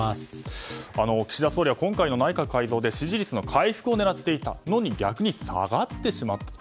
岸田総理は今回の内閣改造で支持率の回復を狙っていたのに逆に下がってしまったと。